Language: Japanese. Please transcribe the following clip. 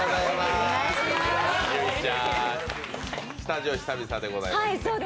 結実ちゃん、スタジオ久々でございます。